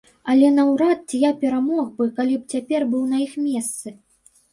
Але наўрад ці я перамог бы, калі б цяпер быў на іх месцы.